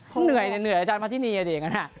เหนื่อยนี่อาจารย์มาที่นี่นี่ไง